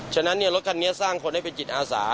ฉะนั้นรถคันนี้สร้างคนให้เป็นจิตอาสา